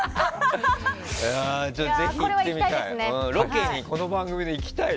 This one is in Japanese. ぜひ行ってみたい。